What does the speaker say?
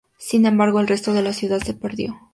Sin embargo el resto de la ciudad se perdió.